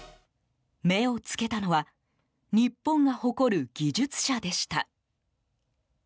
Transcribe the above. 目を付けたのは日本が誇る技術者でした。